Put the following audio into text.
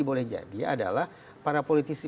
boleh jadi adalah para politisi